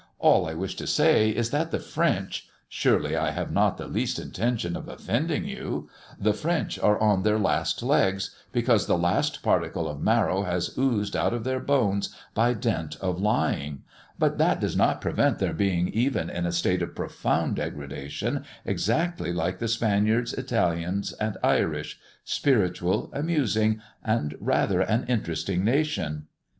All I wish to say is, that the French surely I have not the least intention of offending you the French are on their last legs, because the last particle of marrow has oozed out of their bones by dint of lying; but that does not prevent their being even in a state of profound degradation, exactly like the Spaniards, Italians, and Irish spiritual, amusing, and rather an interesting nation."